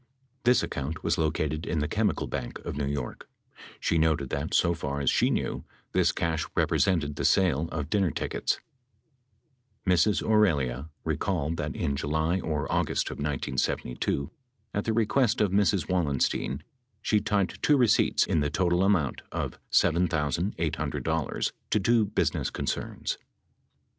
This account was located in the Chemical Bank of New York. She noted that, so far as she knew, this cash represented the sale of dinner tickets. Ms. Aurelia recalled that in July or August of 1972, at the request of Mrs. Wallenstein, she typed two receipts in the total amount of $7,800 to two business concerns.